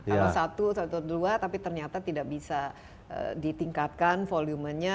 kalau satu atau dua tapi ternyata tidak bisa ditingkatkan volumenya